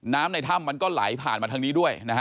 ในถ้ำมันก็ไหลผ่านมาทางนี้ด้วยนะฮะ